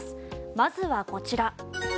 まずはこちら。